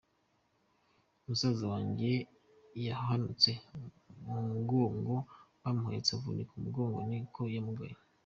Musaza wanjye yahanutse mu mugongo bamuhetse avunika umugongo, ni ko yamugaye.